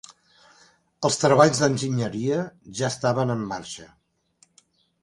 Els treballs d'enginyeria ja estaven en marxa.